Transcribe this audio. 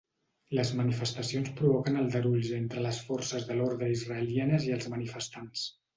Les manifestacions provoquen aldarulls entre les forces de l'ordre israelianes i els manifestants.